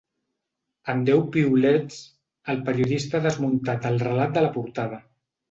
En deu piulets, el periodista ha desmuntat el relat de la portada.